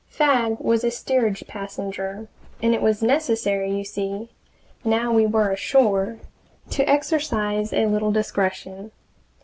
Fagg was a steerage passenger, and it was necessary, you see, now we were ashore, to exercise a little discretion.